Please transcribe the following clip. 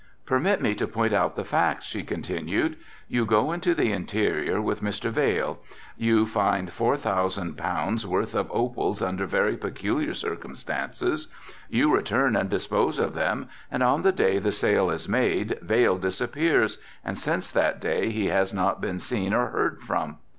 "Permit me to point out the facts," she continued. "You go into the interior with Mr. Vail, you find four thousand pounds worth of opals under very peculiar circumstances, you return and dispose of them and on the day the sale is made Vail disappears and since that day he has not been seen or heard from.